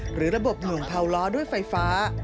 หรือระบบหนุ่งเผาล้อด้วยไฟฟ้า